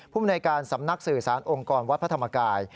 ภูมิในการสำนักสื่อสารองค์กรวัดพระธรรมกาย